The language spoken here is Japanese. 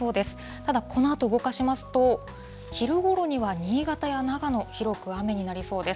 ただ、このあと動かしますと、昼ごろには新潟や長野、広く雨になりそうです。